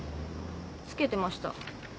つけてました。